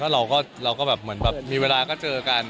เราก็แบบเหมือนแบบมีเวลาก็เจอกัน